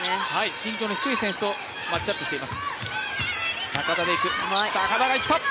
身長の低い選手とマッチアップしています。